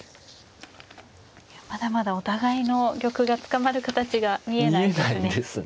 まだまだお互いの玉が捕まる形が見えないですね。